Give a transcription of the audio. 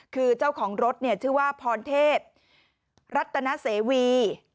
คือเจ้าของรถชื่อว่าพรเทพรัตนเสวี